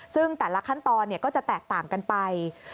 ซึ่งแต่ละขั้นตอนก็จะแตกต่างกันไป